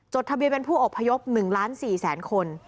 จดทะเบียนเป็นผู้อบพยพ๑๔ล้านคน